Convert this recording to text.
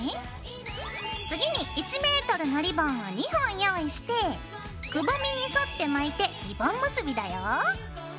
次に１ｍのリボンを２本用意してくぼみに沿って巻いてリボン結びだよ。